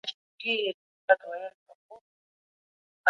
له شتمنو څخه د همکارۍ غوښتنه کېږي.